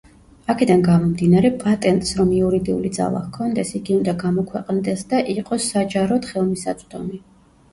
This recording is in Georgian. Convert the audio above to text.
აქედან გამომდინარე, პატენტს რომ იურიდიული ძალა ჰქონდეს იგი უნდა გამოქვეყნდეს და იყოს საჯაროდ ხელმისაწვდომი.